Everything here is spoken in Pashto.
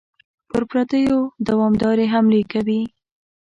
پر پردیو دوامدارې حملې کوي.